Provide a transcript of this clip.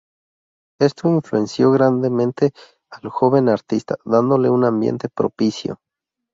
Esto influenció grandemente al joven artista, dándole un ambiente propicio.